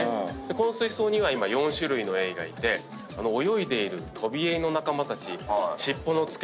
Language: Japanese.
この水槽には今４種類のエイがいて泳いでいるトビエイの仲間たち尻尾の付け根に毒のとげを持ってるんですね。